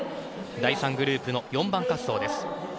第３グループの４番滑走です。